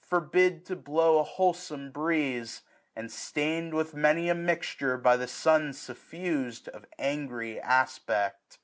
Forbid to blow a wholesome breeze ; and stain'd With many a mixture by the sun suflfus'd. Of angry aspect.